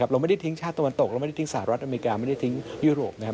เราไม่ได้ทิ้งชาติตะวันตกสหรัฐอเมริกายุโรป